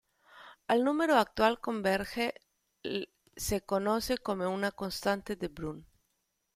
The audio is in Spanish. Al número al cual converge se le conoce como la constante de Brun.